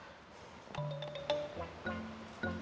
capek banget juga nama